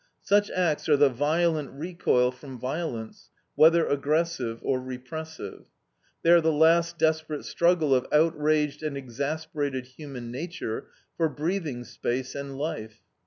Such acts are the violent recoil from violence, whether aggressive or repressive; they are the last desperate struggle of outraged and exasperated human nature for breathing space and life.